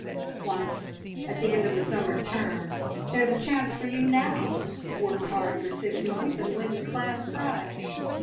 "Once. At the end of the summer term. There's a chance for you now! Work hard for six months, and win the class prize!"